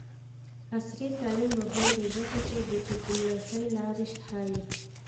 عصري تعلیم مهم دی ځکه چې د ډیپلوماسۍ لارې ښيي.